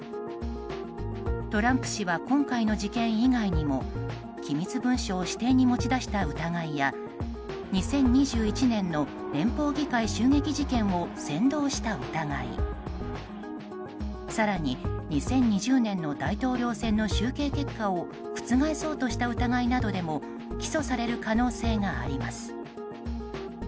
トランプ氏は今回の事件以外にも機密文書を私邸に持ち出した疑いや２０２１年の連邦議会襲撃事件を扇動した疑い更に２０２０年の大統領選の集計結果を覆そうとした疑いなどでも起訴される可能性があります。